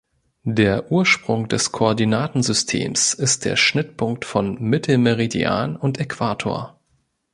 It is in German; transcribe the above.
Der Ursprung des Koordinatensystems ist der Schnittpunkt von Mittelmeridian und Äquator.